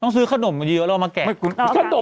ต้องซื้อขนมเยอะแล้วมาแกะ